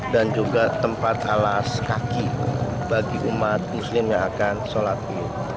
dan juga tempat alas kaki bagi umat muslim yang akan sholat id